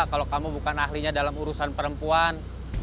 kalau kamu bukan ahlinya dalam urusan perempuan